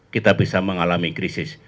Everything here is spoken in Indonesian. kita bisa mengalami krisis